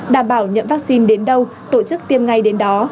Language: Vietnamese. đảm bảo nhận vaccine đến đâu tổ chức tiêm ngay đến đó